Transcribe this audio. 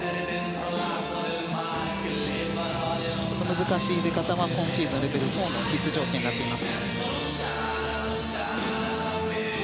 難しい出方は今シーズンレベル４の必須条件になります。